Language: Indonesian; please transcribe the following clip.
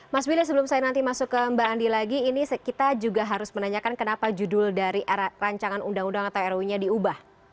mas willy sebelum saya nanti masuk ke mbak andi lagi ini kita juga harus menanyakan kenapa judul dari rancangan undang undang atau ru nya diubah